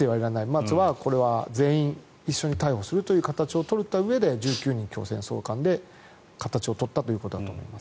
まずは全員一緒に逮捕するという形を取ったうえで１９人強制送還という形を取ったということだと思います。